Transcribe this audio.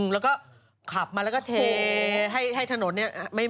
แล้วก็ขับมาแล้วก็เทให้ถนนเนี่ย